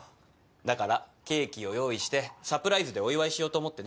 だからケーキを用意してサプライズでお祝いしようと思ってね。